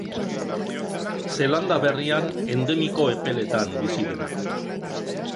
Zeelanda Berrian endemiko epeletan bizi dena.